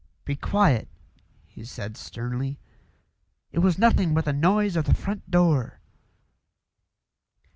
"Be quiet!" he said sternly. "It was nothing but the noise of the front door."